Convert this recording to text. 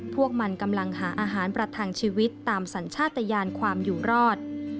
พวกมันกำลังหาอาหารประทังชีวิตตามสัญชาติยานความอยู่รอด